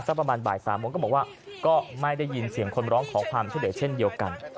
ประมาณบ่าย๓โมงก็บอกว่าก็ไม่ได้ยินเสียงคนร้องขอความช่วยเหลือเช่นเดียวกัน